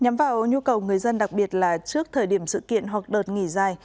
nhắm vào nhu cầu người dân đặc biệt là trước thời điểm sự kiện hoặc đợt nghỉ dài